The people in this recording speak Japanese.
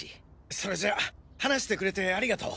それじゃあ話してくれてありがとう。